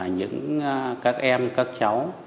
những các em các cháu